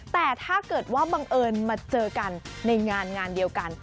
แต่ถ้าเกิดว่าบังเอิญมาเจอกันในงานงานเดียวกัน